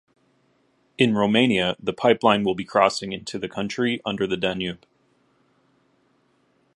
In Romania, the pipeline will be crossing into the country under the Danube.